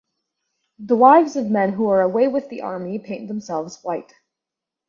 The wives of men who are away with the army paint themselves white.